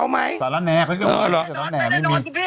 ไปแน่นอนคุณพี่